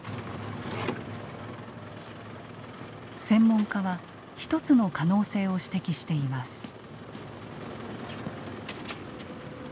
専門家は１つの可能性を指摘しています。